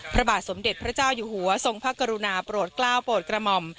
พระบาทสมเด็จพระเจ้าอยู่หัวทรงพระกรุณาโปรดกล้าวโปรดกระหม่อม